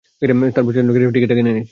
তারপর স্টেশন গিয়ে টিকেটটা কিনে নিস।